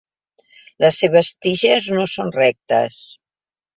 Les seves tiges no són rectes.